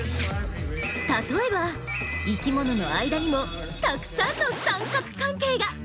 例えば生きものの間にもたくさんの三角関係が！